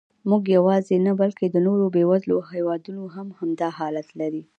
موږ یواځې نه، بلکې د نورو بېوزلو هېوادونو هم همدا حالت لري.